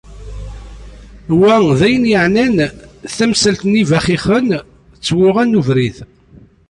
Wa d ayen iεnan tamsalt n yibaxixen d twuɣa n ubrid.